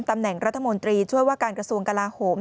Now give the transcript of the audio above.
ตำแหน่งรัฐมนตรีช่วยว่าการกระทรวงกลาโหม